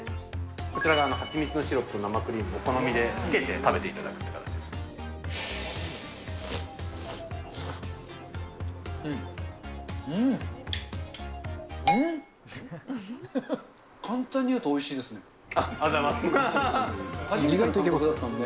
こちらが蜂蜜のシロップ、生クリーム、お好みでつけて食べていたうん、うん！